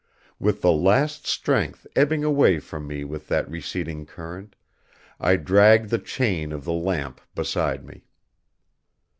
With the last strength ebbing away from me with that receding current, I dragged the chain of the lamp beside me.